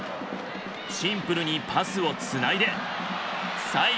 シンプルにパスをつないで最後は藤田！